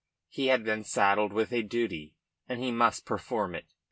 He had been saddled with a duty and he must perform it.